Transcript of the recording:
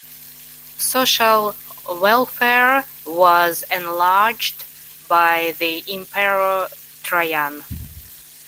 Social welfare was enlarged by the Emperor Trajan.